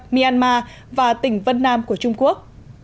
myanmar và tỉnh vân nam của trung quốc